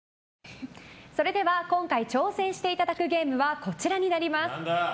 それでは今回挑戦していただくゲームはこちらになります。